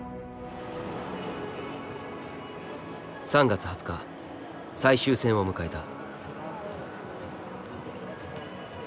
３月２０日最終戦を迎えた。